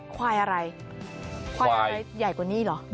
ควายอะไรควายอะไรใหญ่กว่านี้เหรอ